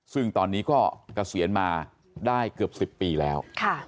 ซึ่งตอนนี้ก็เกษียณมาได้เกือบ๑๐ปีแล้ว